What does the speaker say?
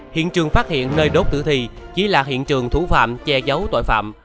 hiện trường phát hiện nơi đốt tử thi chỉ là hiện trường thủ phạm che giấu tội phạm